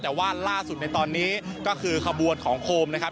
แต่ว่าล่าสุดในตอนนี้ก็คือขบวนของโคมนะครับ